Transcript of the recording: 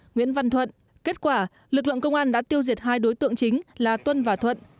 nguyễn văn thuận kết quả lực lượng công an đã tiêu diệt hai đối tượng chính là tuân và thuận